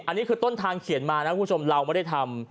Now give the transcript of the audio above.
อันนี้คือต้นทางเขียนมานะคุณผู้ชมเราไม่ได้ทำ